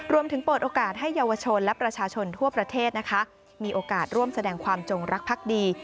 เปิดโอกาสให้เยาวชนและประชาชนทั่วประเทศนะคะมีโอกาสร่วมแสดงความจงรักพักดี